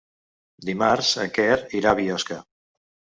Dimarts en Quer irà a Biosca.